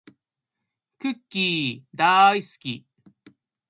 クッキーだーいすき